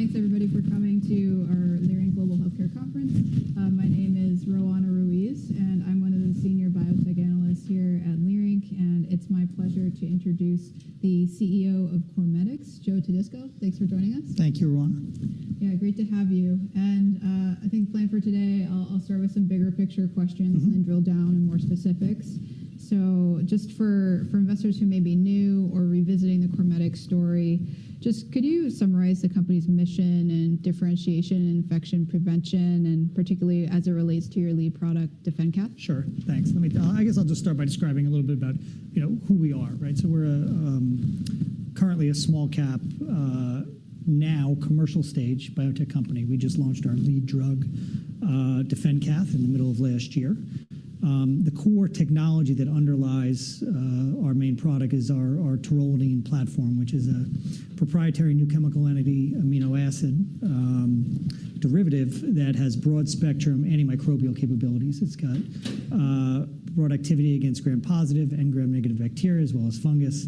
Thanks, everybody, for coming to our Leerink Global Healthcare Conference. My name is Roanna Ruiz, and I'm one of the Senior Biotech Analysts here at Leerink. It's my pleasure to introduce the CEO of CorMedix, Joe Todisco. Thanks for joining us. Thank you, Roanna. Yeah, great to have you. I think the plan for today, I'll start with some bigger picture questions and then drill down in more specifics. Just for investors who may be new or revisiting the CorMedix story, could you summarize the company's mission and differentiation in infection prevention, and particularly as it relates to your lead product, DefenCath? Sure, thanks. I guess I'll just start by describing a little bit about who we are. We're currently a small-cap, now commercial-stage biotech company. We just launched our lead drug, DefenCath, in the middle of last year. The core technology that underlies our main product is our taurolidine platform, which is a proprietary new chemical entity, amino acid derivative that has broad-spectrum antimicrobial capabilities. It's got broad activity against Gram-positive and Gram-negative bacteria, as well as fungus.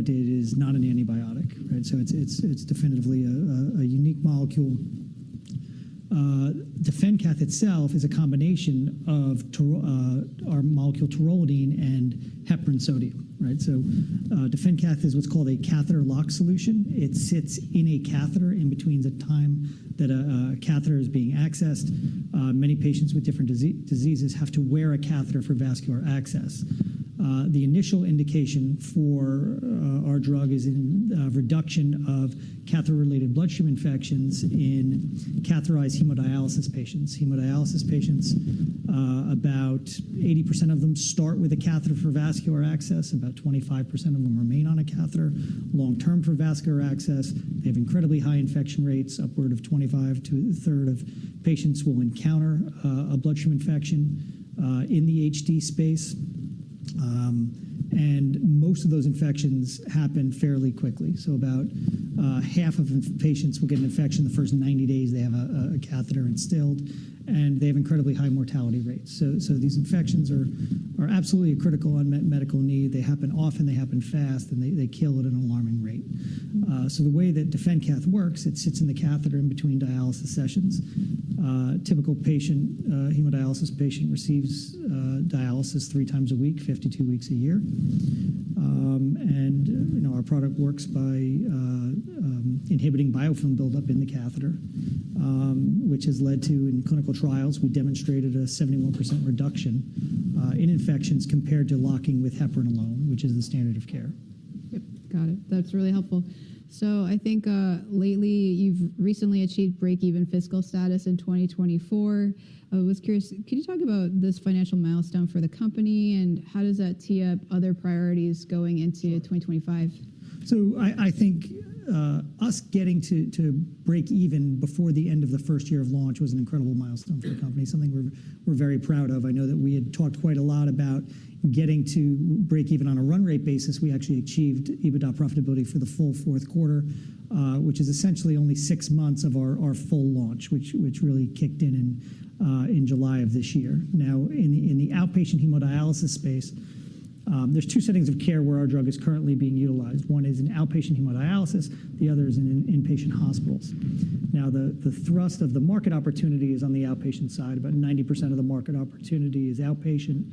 It is not an antibiotic. It's definitively a unique molecule. DefenCath itself is a combination of our molecule taurolidine and heparin sodium. DefenCath is what's called a catheter lock solution. It sits in a catheter in between the time that a catheter is being accessed. Many patients with different diseases have to wear a catheter for vascular access. The initial indication for our drug is in reduction of catheter-related bloodstream infections in catheterized hemodialysis patients. Hemodialysis patients, about 80% of them start with a catheter for vascular access. About 25% of them remain on a catheter long-term for vascular access. They have incredibly high infection rates, upward of 25% to a third of patients will encounter a bloodstream infection in the HD space. Most of those infections happen fairly quickly. About half of patients will get an infection the first 90 days they have a catheter instilled. They have incredibly high mortality rates. These infections are absolutely a critical unmet medical need. They happen often. They happen fast. They kill at an alarming rate. The way that DefenCath works, it sits in the catheter in between dialysis sessions. Typical hemodialysis patient receives dialysis three times a week, 52 weeks a year. Our product works by inhibiting biofilm buildup in the catheter, which has led to, in clinical trials, we demonstrated a 71% reduction in infections compared to locking with heparin alone, which is the standard of care. Yep, got it. That's really helpful. I think lately you've recently achieved break-even fiscal status in 2024. I was curious, could you talk about this financial milestone for the company? How does that tee up other priorities going into 2025? I think us getting to break even before the end of the first year of launch was an incredible milestone for the company, something we're very proud of. I know that we had talked quite a lot about getting to break even on a run rate basis. We actually achieved EBITDA profitability for the full fourth quarter, which is essentially only six months of our full launch, which really kicked in in July of this year. Now, in the outpatient hemodialysis space, there are two settings of care where our drug is currently being utilized. One is in outpatient hemodialysis. The other is in inpatient hospitals. The thrust of the market opportunity is on the outpatient side. About 90% of the market opportunity is outpatient.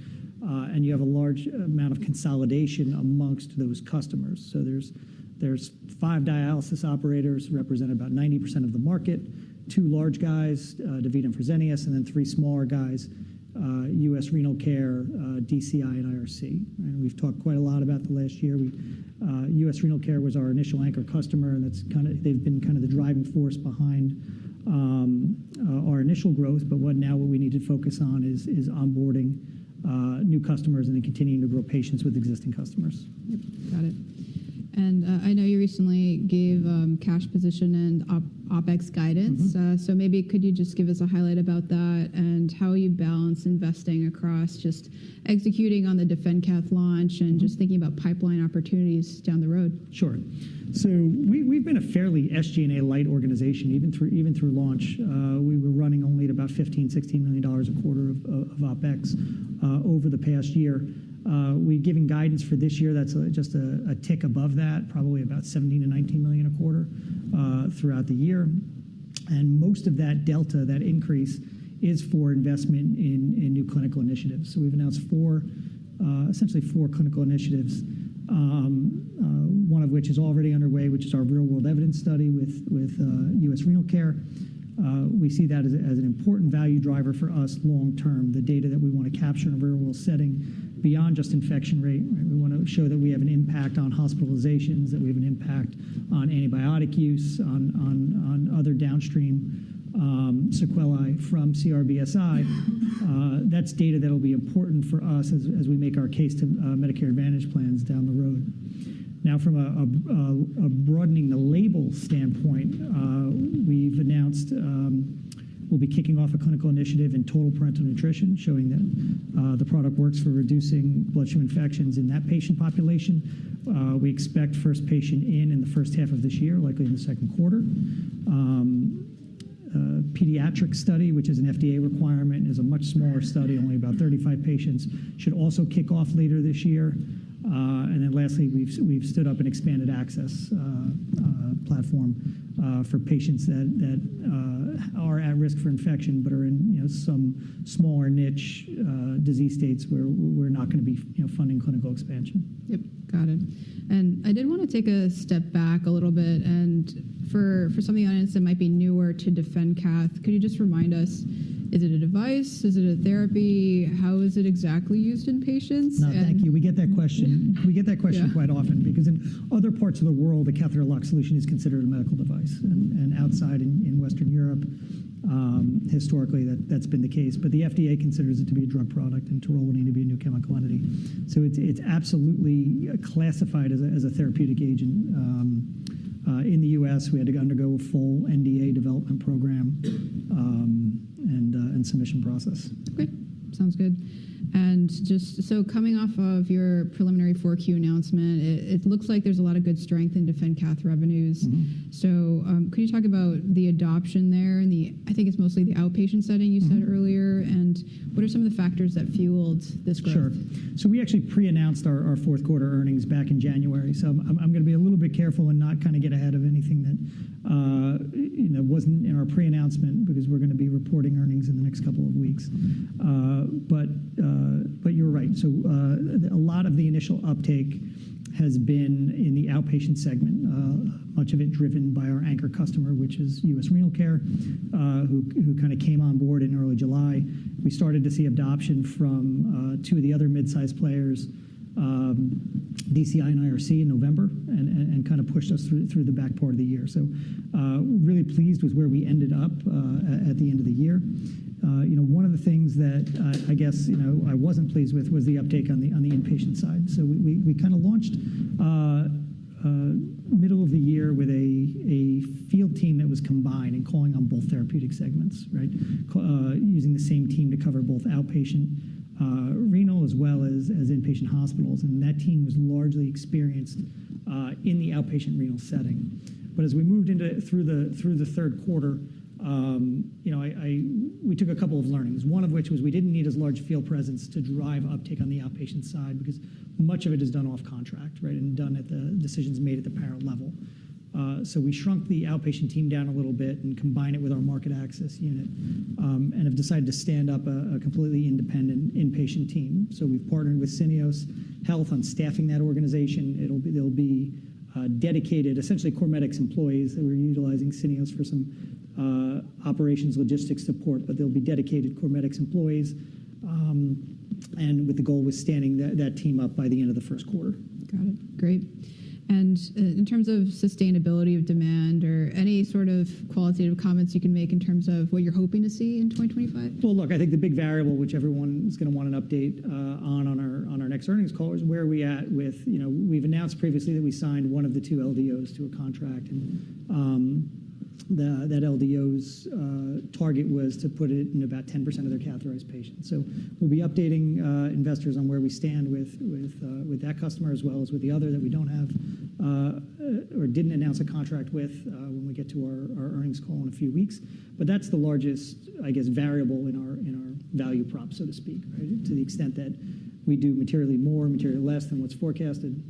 You have a large amount of consolidation amongst those customers. There are five dialysis operators representing about 90% of the market, two large guys, DaVita and Fresenius, and then three smaller guys, U.S. Renal Care, DCI, and Satellite Healthcare. We have talked quite a lot about the last year. U.S. Renal Care was our initial anchor customer. They have been kind of the driving force behind our initial growth. What we need to focus on now is onboarding new customers and then continuing to grow patients with existing customers. Yep, got it. I know you recently gave cash position and OpEx guidance. Maybe could you just give us a highlight about that and how you balance investing across just executing on the DefenCath launch and just thinking about pipeline opportunities down the road? Sure. We have been a fairly SG&A-light organization even through launch. We were running only at about $15-$16 million a quarter of OpEx over the past year. We have given guidance for this year that is just a tick above that, probably about $17-$19 million a quarter throughout the year. Most of that delta, that increase, is for investment in new clinical initiatives. We have announced essentially four clinical initiatives, one of which is already underway, which is our real-world evidence study with U.S. Renal Care. We see that as an important value driver for us long-term, the data that we want to capture in a real-world setting beyond just infection rate. We want to show that we have an impact on hospitalizations, that we have an impact on antibiotic use, on other downstream sequelae from CRBSI. That's data that will be important for us as we make our case to Medicare Advantage plans down the road. Now, from a broadening the label standpoint, we've announced we'll be kicking off a clinical initiative in total parenteral nutrition, showing that the product works for reducing bloodstream infections in that patient population. We expect first patient in in the first half of this year, likely in the second quarter. Pediatric study, which is an FDA requirement, is a much smaller study, only about 35 patients, should also kick off later this year. Lastly, we've stood up an expanded access platform for patients that are at risk for infection but are in some smaller niche disease states where we're not going to be funding clinical expansion. Yep, got it. I did want to take a step back a little bit. For some of the audience that might be newer to DefenCath, could you just remind us, is it a device? Is it a therapy? How is it exactly used in patients? No, thank you. We get that question. We get that question quite often. Because in other parts of the world, the catheter lock solution is considered a medical device. Outside in Western Europe, historically, that's been the case. The FDA considers it to be a drug product, and taurolidine would need to be a new chemical entity. It is absolutely classified as a therapeutic agent. In the U.S., we had to undergo a full NDA development program and submission process. Great. Sounds good. Just coming off of your preliminary Q4 announcement, it looks like there's a lot of good strength in DefenCath revenues. Could you talk about the adoption there? I think it's mostly the outpatient setting you said earlier. What are some of the factors that fueled this growth? Sure. We actually pre-announced our fourth quarter earnings back in January. I'm going to be a little bit careful and not kind of get ahead of anything that wasn't in our pre-announcement because we're going to be reporting earnings in the next couple of weeks. You're right. A lot of the initial uptake has been in the outpatient segment, much of it driven by our anchor customer, which is U.S. Renal Care, who kind of came on board in early July. We started to see adoption from two of the other mid-sized players, DCI and ARC, in November and kind of pushed us through the back part of the year. Really pleased with where we ended up at the end of the year. One of the things that I guess I wasn't pleased with was the uptake on the inpatient side. We kind of launched middle of the year with a field team that was combined and calling on both therapeutic segments, using the same team to cover both outpatient renal as well as inpatient hospitals. That team was largely experienced in the outpatient renal setting. As we moved through the third quarter, we took a couple of learnings, one of which was we did not need as large a field presence to drive uptake on the outpatient side because much of it is done off contract and done at the decisions made at the parent level. We shrunk the outpatient team down a little bit and combined it with our market access unit and have decided to stand up a completely independent inpatient team. We have partnered with Syneos Health on staffing that organization. There'll be dedicated, essentially, CorMedix employees that we're utilizing Syneos for some operations logistics support. There'll be dedicated CorMedix employees, with the goal of standing that team up by the end of the first quarter. Got it. Great. In terms of sustainability of demand, are there any sort of qualitative comments you can make in terms of what you're hoping to see in 2025? I think the big variable, which everyone's going to want an update on on our next earnings call, is where are we at with we've announced previously that we signed one of the two LDOs to a contract. That LDO's target was to put it in about 10% of their catheterized patients. We'll be updating investors on where we stand with that customer as well as with the other that we don't have or didn't announce a contract with when we get to our earnings call in a few weeks. That's the largest, I guess, variable in our value prop, so to speak, to the extent that we do materially more, materially less than what's forecasted.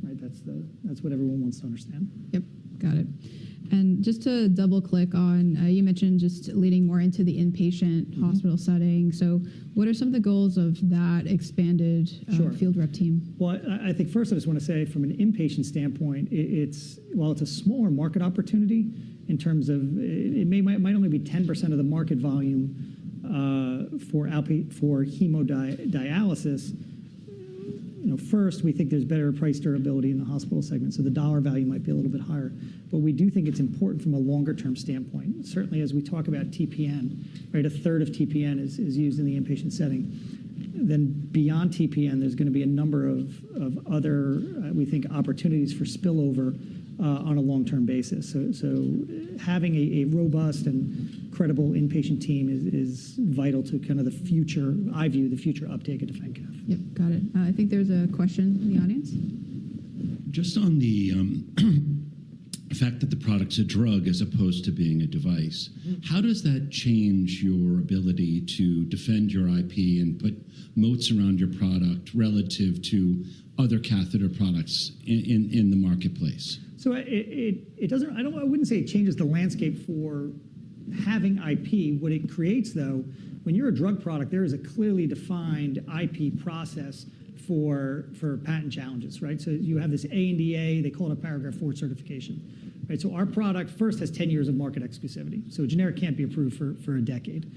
That's what everyone wants to understand. Yep, got it. Just to double-click on, you mentioned just leading more into the inpatient hospital setting. What are some of the goals of that expanded field rep team? I think first, I just want to say from an inpatient standpoint, while it's a smaller market opportunity in terms of it might only be 10% of the market volume for hemodialysis, first, we think there's better price durability in the hospital segment. The dollar value might be a little bit higher. We do think it's important from a longer-term standpoint. Certainly, as we talk about TPN, a third of TPN is used in the inpatient setting. Beyond TPN, there's going to be a number of other, we think, opportunities for spillover on a long-term basis. Having a robust and credible inpatient team is vital to kind of the future, I view, the future uptake of DefenCath. Yep, got it. I think there's a question in the audience. Just on the fact that the product's a drug as opposed to being a device, how does that change your ability to defend your IP and put moats around your product relative to other catheter products in the marketplace? I wouldn't say it changes the landscape for having IP. What it creates, though, when you're a drug product, there is a clearly defined IP process for patent challenges. You have this ANDA, they call it a paragraph four certification. Our product first has 10 years of market exclusivity. A generic can't be approved for a decade.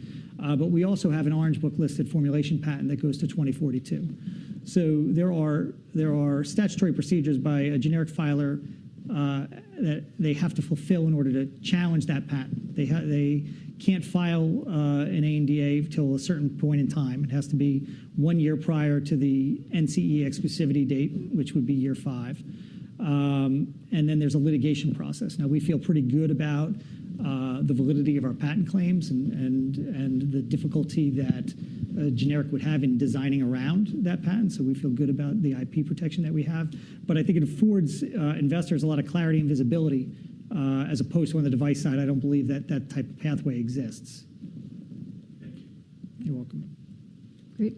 We also have an Orange Book listed formulation patent that goes to 2042. There are statutory procedures by a generic filer that they have to fulfill in order to challenge that patent. They can't file an ANDA until a certain point in time. It has to be one year prior to the NCE exclusivity date, which would be year five. Then there's a litigation process. Now, we feel pretty good about the validity of our patent claims and the difficulty that a generic would have in designing around that patent. We feel good about the IP protection that we have. I think it affords investors a lot of clarity and visibility. As opposed to on the device side, I do not believe that that type of pathway exists. Thank you. You're welcome. Great.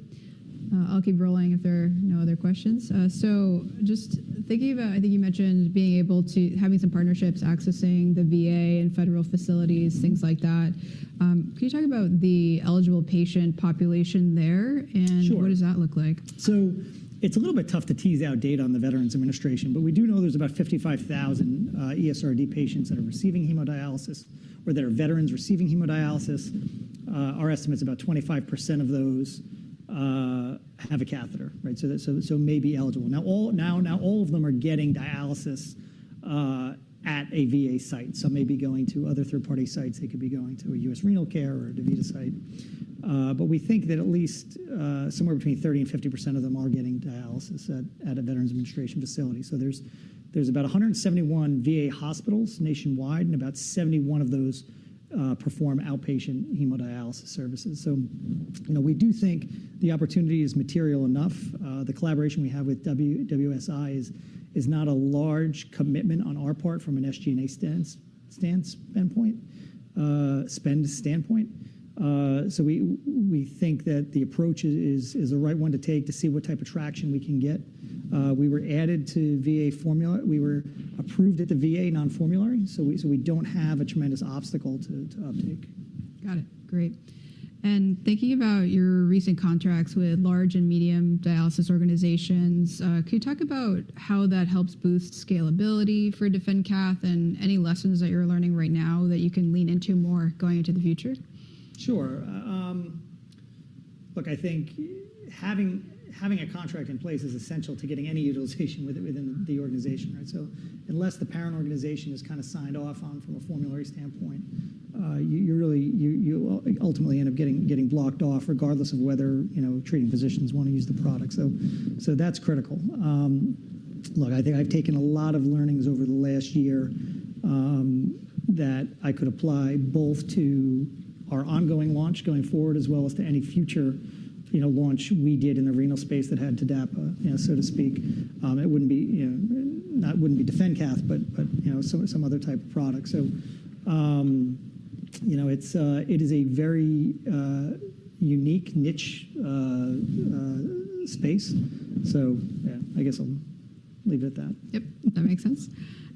I'll keep rolling if there are no other questions. I think you mentioned being able to having some partnerships, accessing the VA and federal facilities, things like that. Can you talk about the eligible patient population there? What does that look like? It's a little bit tough to tease out data on the Veterans Administration. We do know there's about 55,000 ESRD patients that are receiving hemodialysis or that are veterans receiving hemodialysis. Our estimate is about 25% of those have a catheter, so may be eligible. Now, all of them are getting dialysis at a VA site. Some may be going to other third-party sites. They could be going to a U.S. Renal Care or a DaVita site. We think that at least somewhere between 30%-50% of them are getting dialysis at a Veterans Administration facility. There's about 171 VA hospitals nationwide, and about 71 of those perform outpatient hemodialysis services. We do think the opportunity is material enough. The collaboration we have with WSI is not a large commitment on our part from an SG&A standpoint, spend standpoint. We think that the approach is the right one to take to see what type of traction we can get. We were added to VA formulary. We were approved at the VA non-formulary. We do not have a tremendous obstacle to uptake. Got it. Great. Thinking about your recent contracts with large and medium dialysis organizations, can you talk about how that helps boost scalability for DefenCath and any lessons that you're learning right now that you can lean into more going into the future? Sure. Look, I think having a contract in place is essential to getting any utilization within the organization. Unless the parent organization is kind of signed off on from a formulary standpoint, you ultimately end up getting blocked off regardless of whether treating physicians want to use the product. That is critical. Look, I think I've taken a lot of learnings over the last year that I could apply both to our ongoing launch going forward as well as to any future launch we did in the renal space that had TDAPA, so to speak. That would not be DefenCath, but some other type of product. It is a very unique niche space. I guess I'll leave it at that. That makes sense.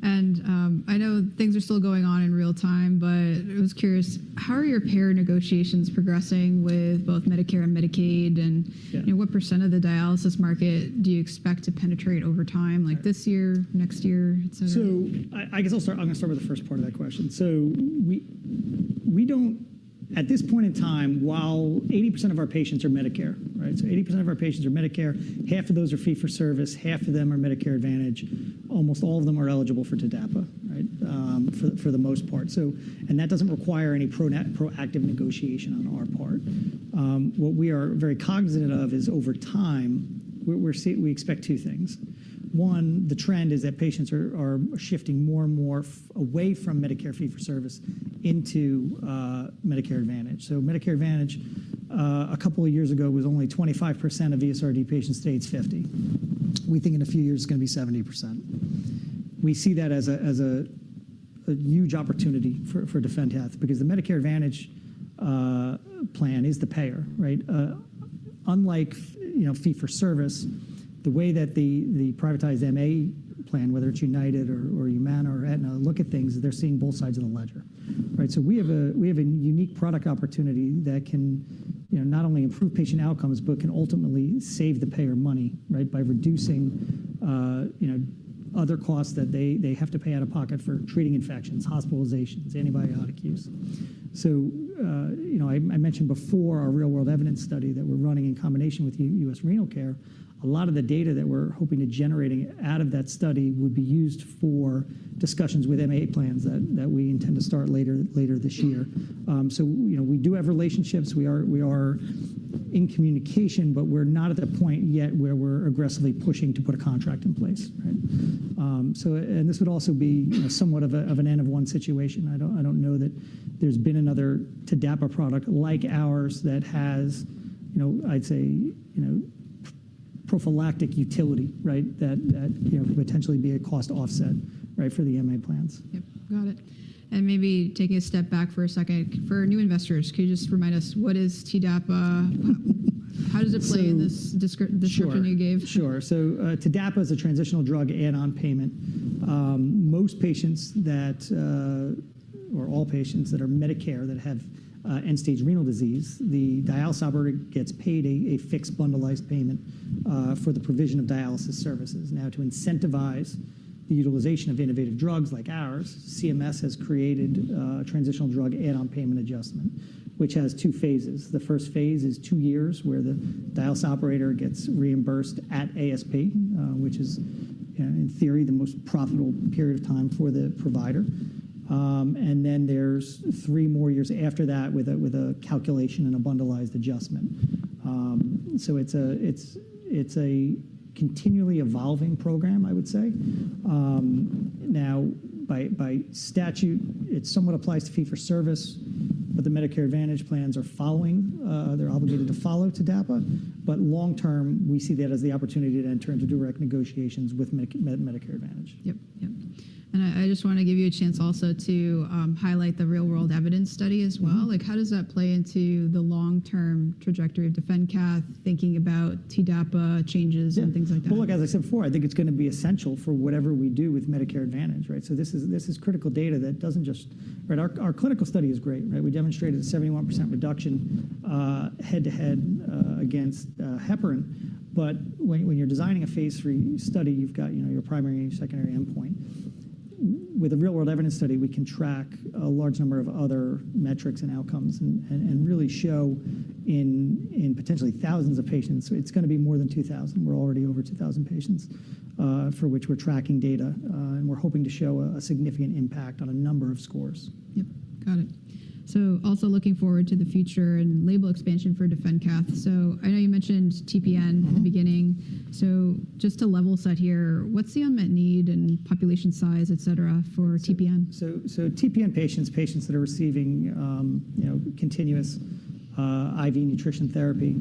I know things are still going on in real time, but I was curious, how are your payer negotiations progressing with both Medicare and Medicaid? What % of the dialysis market do you expect to penetrate over time, like this year, next year, et cetera? I guess I'm going to start with the first part of that question. We don't, at this point in time, while 80% of our patients are Medicare, so 80% of our patients are Medicare, half of those are fee for service, half of them are Medicare Advantage, almost all of them are eligible for TDAPA for the most part. That doesn't require any proactive negotiation on our part. What we are very cognizant of is over time, we expect two things. One, the trend is that patients are shifting more and more away from Medicare fee for service into Medicare Advantage. Medicare Advantage, a couple of years ago, was only 25% of ESRD patient states, 50%. We think in a few years, it's going to be 70%. We see that as a huge opportunity for DefenCath because the Medicare Advantage plan is the payer. Unlike fee for service, the way that the privatized MA plan, whether it's United or Humana or Aetna, look at things, they're seeing both sides of the ledger. We have a unique product opportunity that can not only improve patient outcomes, but can ultimately save the payer money by reducing other costs that they have to pay out of pocket for treating infections, hospitalizations, antibiotic use. I mentioned before our real-world evidence study that we're running in combination with U.S. Renal Care. A lot of the data that we're hoping to generate out of that study would be used for discussions with MA plans that we intend to start later this year. We do have relationships. We are in communication, but we're not at that point yet where we're aggressively pushing to put a contract in place. This would also be somewhat of an N-of-1 situation. I don't know that there's been another TDAPA product like ours that has, I'd say, prophylactic utility that could potentially be a cost offset for the MA plans. Got it. Maybe taking a step back for a second, for new investors, can you just remind us what is TDAPA? How does it play in this description you gave? Sure. TDAPA is a transitional drug add-on payment. Most patients, or all patients that are Medicare that have end-stage renal disease, the dialysis operator gets paid a fixed bundled payment for the provision of dialysis services. Now, to incentivize the utilization of innovative drugs like ours, CMS has created a transitional drug add-on payment adjustment, which has two phases. The first phase is two years where the dialysis operator gets reimbursed at ASP, which is, in theory, the most profitable period of time for the provider. There are three more years after that with a calculation and a bundled adjustment. It is a continually evolving program, I would say. By statute, it somewhat applies to fee for service, but the Medicare Advantage plans are following. They are obligated to follow TDAPA. Long-term, we see that as the opportunity to enter into direct negotiations with Medicare Advantage. Yep. Yep. I just want to give you a chance also to highlight the real-world evidence study as well. How does that play into the long-term trajectory of DefenCath, thinking about TDAPA changes and things like that? As I said before, I think it's going to be essential for whatever we do with Medicare Advantage. This is critical data that doesn't just our clinical study is great. We demonstrated a 71% reduction head-to-head against heparin. When you're designing a phase three study, you've got your primary and secondary endpoint. With a real-world evidence study, we can track a large number of other metrics and outcomes and really show in potentially thousands of patients. It's going to be more than 2,000. We're already over 2,000 patients for which we're tracking data. We're hoping to show a significant impact on a number of scores. Yep. Got it. Also looking forward to the future and label expansion for DefenCath. I know you mentioned TPN in the beginning. Just to level set here, what's the unmet need and population size, et cetera, for TPN? TPN patients, patients that are receiving continuous IV nutrition therapy,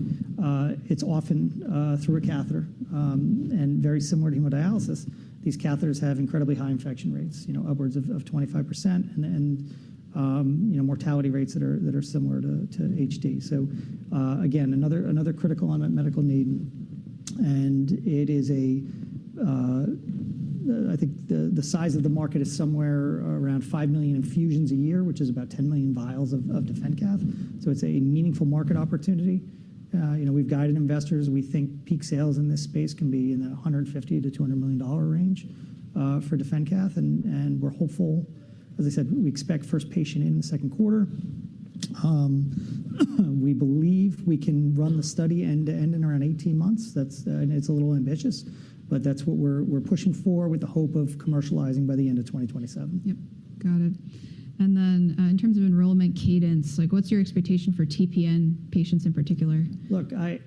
it's often through a catheter. Very similar to hemodialysis, these catheters have incredibly high infection rates, upwards of 25%, and mortality rates that are similar to HD. Again, another critical unmet medical need. I think the size of the market is somewhere around 5 million infusions a year, which is about 10 million vials of DefenCath. It's a meaningful market opportunity. We've guided investors. We think peak sales in this space can be in the $150 million-$200 million range for DefenCath. We're hopeful. As I said, we expect first patient in the second quarter. We believe we can run the study end-to-end in around 18 months. It's a little ambitious, but that's what we're pushing for with the hope of commercializing by the end of 2027. Got it. In terms of enrollment cadence, what's your expectation for TPN patients in particular? Look, I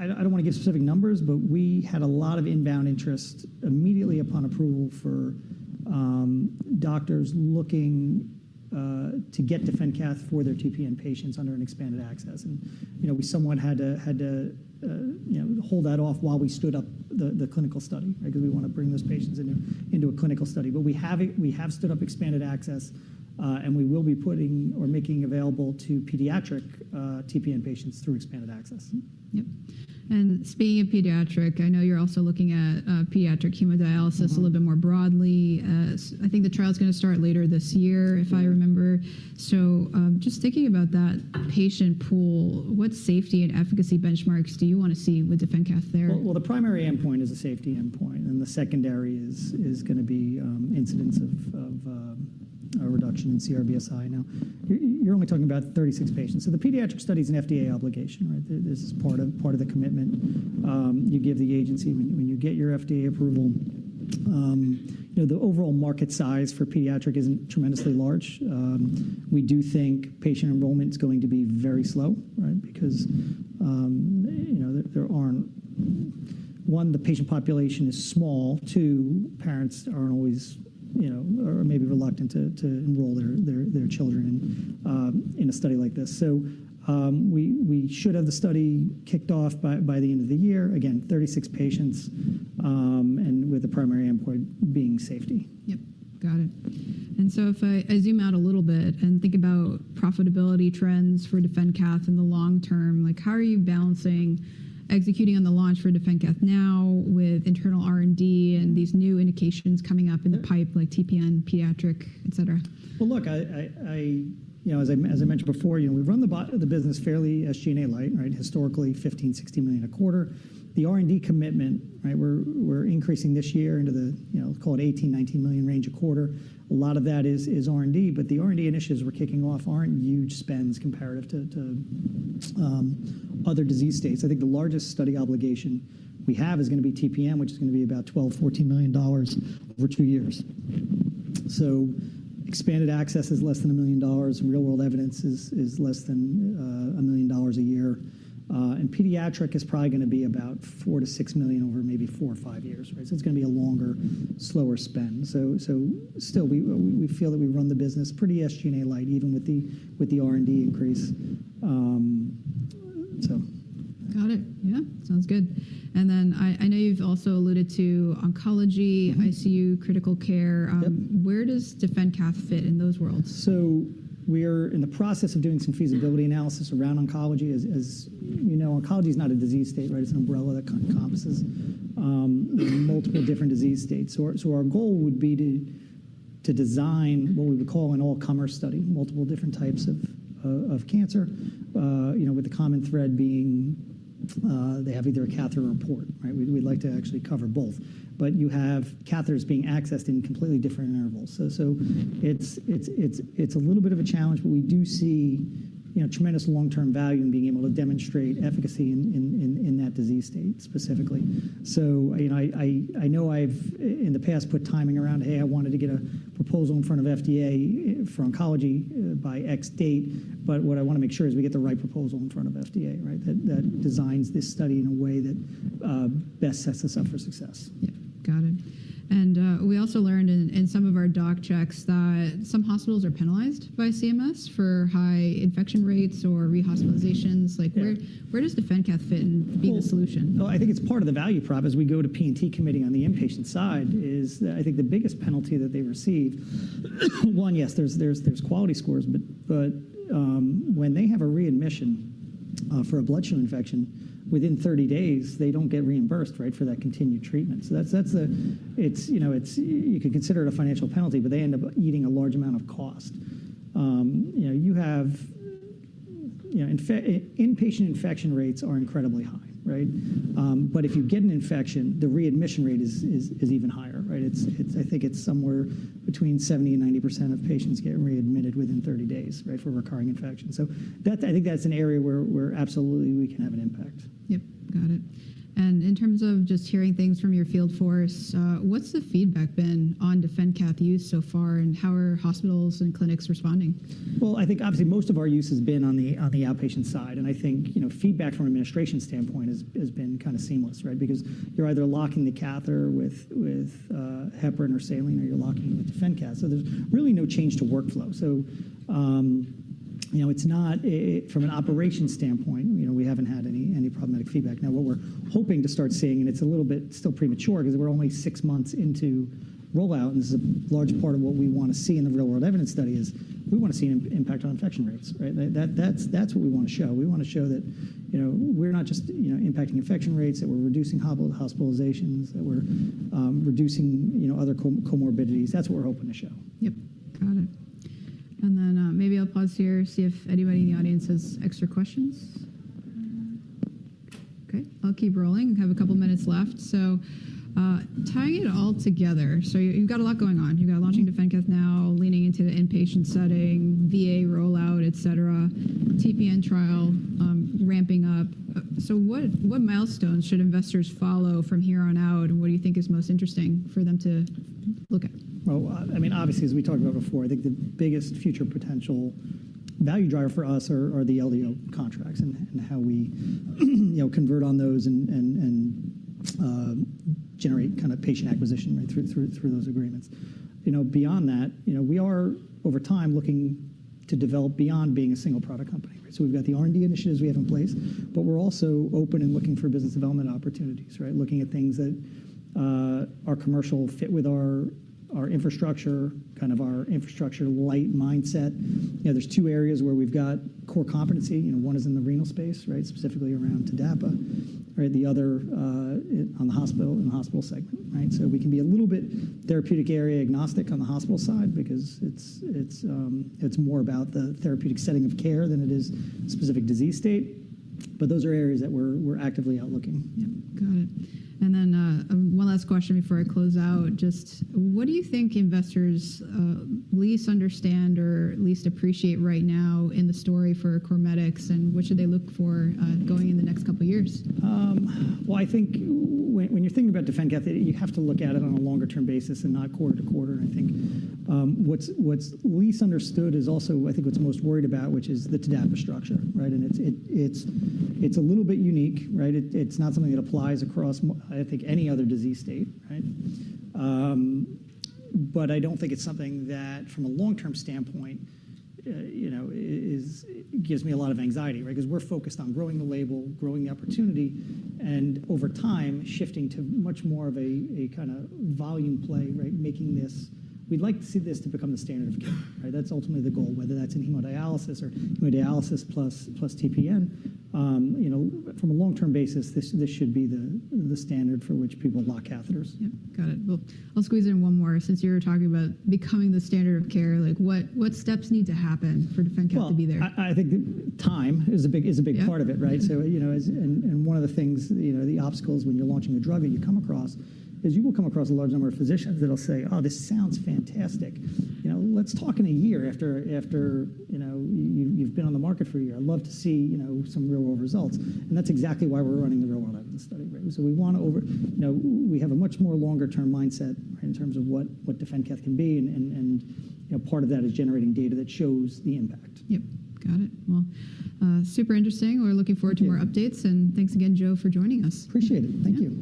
don't want to give specific numbers, but we had a lot of inbound interest immediately upon approval for doctors looking to get DefenCath for their TPN patients under an expanded access. We somewhat had to hold that off while we stood up the clinical study because we want to bring those patients into a clinical study. We have stood up expanded access, and we will be putting or making available to pediatric TPN patients through expanded access. Yep. Speaking of pediatric, I know you're also looking at pediatric hemodialysis a little bit more broadly. I think the trial's going to start later this year, if I remember. Just thinking about that patient pool, what safety and efficacy benchmarks do you want to see with DefenCath there? The primary endpoint is a safety endpoint. The secondary is going to be incidence of reduction in CRBSI. Now, you're only talking about 36 patients. The pediatric study is an FDA obligation. This is part of the commitment you give the agency when you get your FDA approval. The overall market size for pediatric isn't tremendously large. We do think patient enrollment is going to be very slow because, one, the patient population is small. Two, parents aren't always or may be reluctant to enroll their children in a study like this. We should have the study kicked off by the end of the year, again, 36 patients, and with the primary endpoint being safety. Got it. If I zoom out a little bit and think about profitability trends for DefenCath in the long term, how are you balancing executing on the launch for DefenCath now with internal R&D and these new indications coming up in the pipe, like TPN, pediatric, et cetera? As I mentioned before, we've run the business fairly SG&A light, historically $15-$16 million a quarter. The R&D commitment, we're increasing this year into the, call it $18-$19 million range a quarter. A lot of that is R&D. The R&D initiatives we're kicking off aren't huge spends comparative to other disease states. I think the largest study obligation we have is going to be TPN, which is going to be about $12-$14 million over two years. Expanded access is less than $1 million. Real-world evidence is less than $1 million a year. Pediatric is probably going to be about $4-$6 million over maybe four or five years. It is going to be a longer, slower spend. Still, we feel that we run the business pretty SG&A light, even with the R&D increase. Got it. Yeah. Sounds good. I know you've also alluded to oncology, ICU, critical care. Where does DefenCath fit in those worlds? We're in the process of doing some feasibility analysis around oncology. As you know, oncology is not a disease state. It's an umbrella that encompasses multiple different disease states. Our goal would be to design what we would call an all-comers study, multiple different types of cancer, with the common thread being they have either a catheter or a port. We'd like to actually cover both. You have catheters being accessed in completely different intervals. It's a little bit of a challenge, but we do see tremendous long-term value in being able to demonstrate efficacy in that disease state specifically. I know I've, in the past, put timing around, hey, I wanted to get a proposal in front of FDA for oncology by X date. What I want to make sure is we get the right proposal in front of FDA that designs this study in a way that best sets us up for success. Got it. We also learned in some of our doc checks that some hospitals are penalized by CMS for high infection rates or re-hospitalizations. Where does DefenCath fit and be the solution? I think it's part of the value prop as we go to P&T committee on the inpatient side. I think the biggest penalty that they receive, one, yes, there's quality scores. When they have a readmission for a blood stream infection within 30 days, they don't get reimbursed for that continued treatment. You could consider it a financial penalty, but they end up eating a large amount of cost. Inpatient infection rates are incredibly high. If you get an infection, the readmission rate is even higher. I think it's somewhere between 70-90% of patients get readmitted within 30 days for recurring infections. I think that's an area where absolutely we can have an impact. Got it. In terms of just hearing things from your field force, what's the feedback been on DefenCath use so far, and how are hospitals and clinics responding? I think obviously most of our use has been on the outpatient side. I think feedback from an administration standpoint has been kind of seamless because you're either locking the catheter with heparin or saline, or you're locking it with DefenCath. There's really no change to workflow. From an operation standpoint, we haven't had any problematic feedback. What we're hoping to start seeing, and it's a little bit still premature because we're only six months into rollout, and this is a large part of what we want to see in the real-world evidence study, is we want to see an impact on infection rates. That's what we want to show. We want to show that we're not just impacting infection rates, that we're reducing hospitalizations, that we're reducing other comorbidities. That's what we're hoping to show. Yep. Got it. Maybe I'll pause here, see if anybody in the audience has extra questions. Okay. I'll keep rolling. We have a couple of minutes left. Tying it all together, you've got a lot going on. You've got launching DefenCath now, leaning into the inpatient setting, VA rollout, et cetera, TPN trial ramping up. What milestones should investors follow from here on out, and what do you think is most interesting for them to look at? Obviously, as we talked about before, I think the biggest future potential value driver for us are the LDO contracts and how we convert on those and generate kind of patient acquisition through those agreements. Beyond that, we are, over time, looking to develop beyond being a single product company. So we've got the R&D initiatives we have in place, but we're also open and looking for business development opportunities, looking at things that are commercial, fit with our infrastructure, kind of our infrastructure light mindset. There are two areas where we've got core competency. One is in the renal space, specifically around TDAPA. The other in the hospital, in the hospital segment. We can be a little bit therapeutic area agnostic on the hospital side because it's more about the therapeutic setting of care than it is specific disease state. Those are areas that we're actively outlooking. Yep. Got it. One last question before I close out. Just what do you think investors least understand or least appreciate right now in the story for CorMedix, and what should they look for going in the next couple of years? I think when you're thinking about DefenCath, you have to look at it on a longer-term basis and not quarter to quarter. I think what's least understood is also I think what's most worried about, which is the TDAPA structure. It's a little bit unique. It's not something that applies across, I think, any other disease state. I don't think it's something that, from a long-term standpoint, gives me a lot of anxiety because we're focused on growing the label, growing the opportunity, and over time, shifting to much more of a kind of volume play, making this we'd like to see this to become the standard of care. That's ultimately the goal, whether that's in hemodialysis or hemodialysis plus TPN. From a long-term basis, this should be the standard for which people lock catheters. Yeah. Got it. I'll squeeze in one more. Since you were talking about becoming the standard of care, what steps need to happen for DefenCath to be there? I think time is a big part of it. One of the things, the obstacles when you're launching a drug that you come across is you will come across a large number of physicians that'll say, "Oh, this sounds fantastic. Let's talk in a year after you've been on the market for a year. I'd love to see some real-world results." That is exactly why we're running the real-world evidence study. We want to have a much more longer-term mindset in terms of what DefenCath can be. Part of that is generating data that shows the impact. Got it. Super interesting. We're looking forward to more updates. Thanks again, Joe, for joining us. Appreciate it. Thank you.